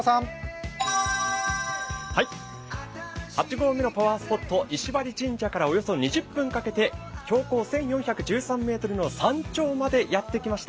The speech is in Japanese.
８合目のパワースポット、石割神社から４０分かけて標高１４１３ｍの山頂までやってきました。